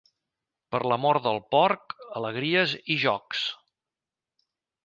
Per la mort del porc, alegries i jocs.